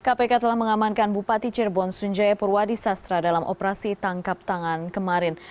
kpk telah mengamankan bupati cirebon sunjaya purwadi sastra dalam operasi tangkap tangan kemarin